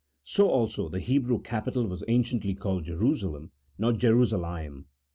So also the Hebrew capital was anciently called Jerusalem, not Jerusa laim.